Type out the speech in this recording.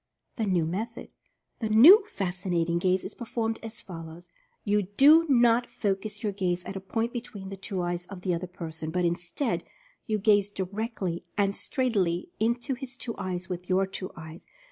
THE NEW METHOD. The new "Fascinating Gaze" is performed as fol lows: You do not focus your gaze at a point between the two eyes of the other person, but, instead, you gaze directly and straightly into his two eyes with your two eyes.